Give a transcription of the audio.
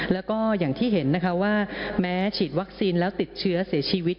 แล้วก็อย่างที่เห็นนะคะว่าแม้ฉีดวัคซีนแล้วติดเชื้อเสียชีวิต